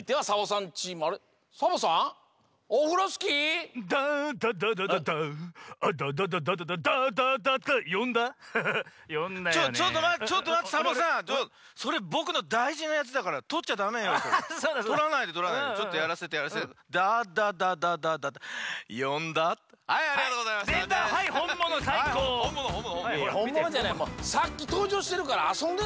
さっきとうじょうしてるからあそんでないでもう！